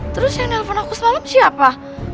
terus yang nelfon aku semalam siapa